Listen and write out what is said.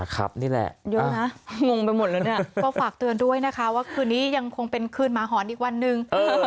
ก็ฝากเตือนด้วยนะคะว่าคืนนี้ยังคงเป็นคืนหมาหอนอีกวันนึง